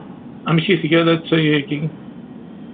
Amek i tga latay-agi?